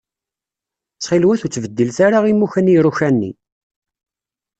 Ttxil-wat ur ttbeddilet ara imukan i iruka-nni.